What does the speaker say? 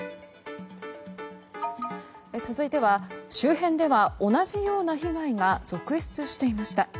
続いては周辺では同じような被害が続出していました。